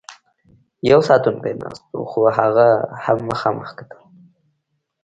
یو ساتونکی ناست و، خو هغه هم مخامخ کتل.